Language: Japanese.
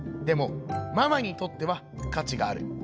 でもママにとっては価値がある」。